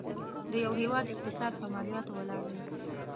د یو هيواد اقتصاد په مالياتو ولاړ وي.